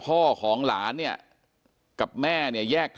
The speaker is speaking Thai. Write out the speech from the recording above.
เป็นมีดปลายแหลมยาวประมาณ๑ฟุตนะฮะที่ใช้ก่อเหตุ